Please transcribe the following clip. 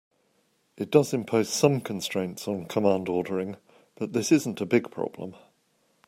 It does impose some constraints on command ordering, but this isn't a big problem.